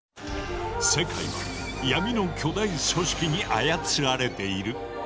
「世界は闇の巨大組織に操られている」。